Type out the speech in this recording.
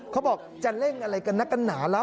เขาบอกจะเล่นอะไรกันนักกันหนาแล้ว